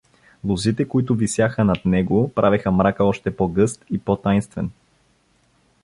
Лозите, които висяха над него, правеха мрака още по-гъст и по-тайнствен.